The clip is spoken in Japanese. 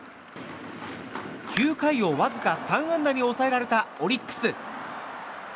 ９回をわずか３安打に抑えられたオリックス。